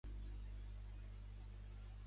El trot de la mula tot el dia dura.